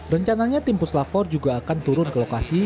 rencananya tim puslapor juga akan turun ke lokasi